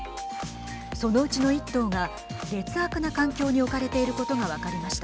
そのうちの１頭が劣悪な環境に置かれていることが分かりました。